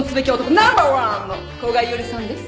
ナンバーワンの古賀一織さんです。